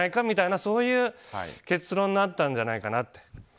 みたいなそういう結論になったんじゃないかって。